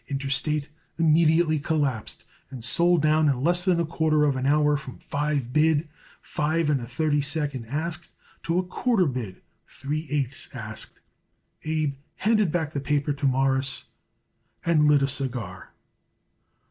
Interstate immediately collapsed and sold down in less than a quarter of an hour from five bid, five and a thirty second asked, to a quarter bid, three eighths asked. Abe handed back the paper to Morris and lit a cigar.